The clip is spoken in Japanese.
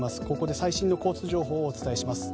最新の交通情報をお伝えします。